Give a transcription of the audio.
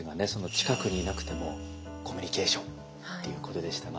近くにいなくてもコミュニケーションということでしたが。